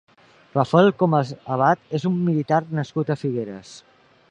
Rafael Comas Abad és un militar nascut a Figueres.